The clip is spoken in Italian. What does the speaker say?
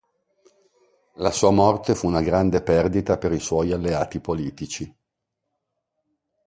La sua morte fu una grande perdita per i suoi alleati politici.